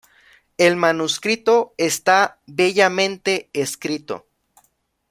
El manuscrito está bellamente escrito.